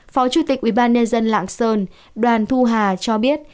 phó chủ tịch ubnd lạng sơn đoàn thu hà cho biết